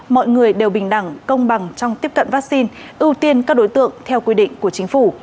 mọi người đều bình đẳng công bằng trong tiếp cận vaccine ưu tiên các đối tượng theo quy định của chính phủ